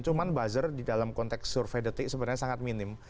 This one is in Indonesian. cuma buzzer di dalam konteks survei detik sebenarnya sangat minim